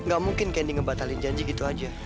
gak mungkin candi ngebatalin janji gitu aja